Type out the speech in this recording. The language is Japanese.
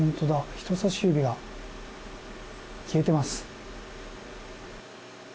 人さし指が消えています。